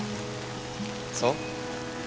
そう？